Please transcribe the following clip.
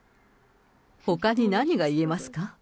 ほかに何が言えますか？